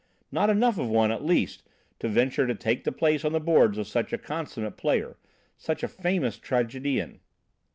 Not enough of one at least to venture to take the place on the boards of such a consummate player, such a famous tragedian.